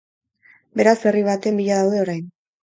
Beraz, herri baten bila daude orain.